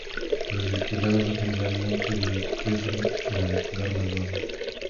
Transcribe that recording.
Los destilados son generalmente de peso molecular más bajo.